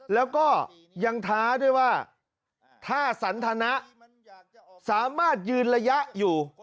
แล้วก็ยังท้าด้วยว่าถ้าสันทนะสามารถยืนระยะอยู่